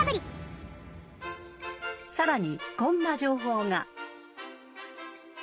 ［さらにこんな情報が］